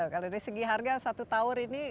kalau dari segi harga satu tower ini